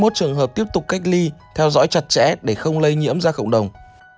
hai mươi một trường hợp tiếp tục cách ly theo dõi chặt chẽ để không lây nhiễm ra cộng đồng